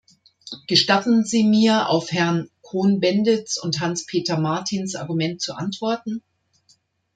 Gestatten Sie mir auf Herrn Cohn-Bendits und Hans-Peter Martins Argument zu antworten?